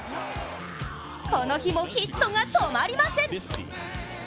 この日もヒットが止まりません。